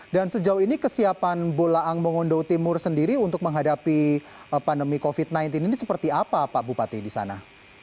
dan sejauh ini kesiapan bulaang mongondo timur sendiri untuk menghadapi pandemi covid sembilan belas ini seperti apa pak bupati disana